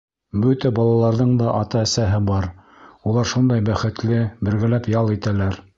Бөтә балаларҙың да ата-әсәһе бар, улар шундай бәхетле, бергәләп ял итәләр.